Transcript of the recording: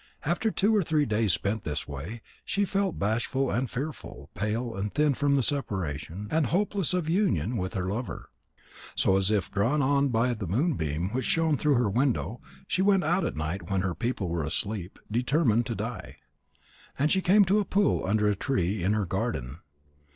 After two or three days spent in this way, she felt bashful and fearful, pale and thin from the separation, and hopeless of union with her lover. So, as if drawn on by the moonbeam which shone through her window, she went out at night when her people were asleep, determined to die. And she came to a pool under a tree in her garden.